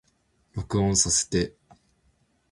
録音させて